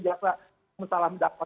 jika salah mendakwa